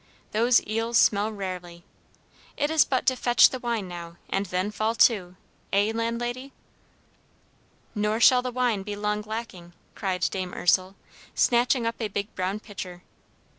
Those eels smell rarely. It is but to fetch the wine now, and then fall to, eh, Landlady?" "Nor shall the wine be long lacking!" cried Dame Ursel, snatching up a big brown pitcher.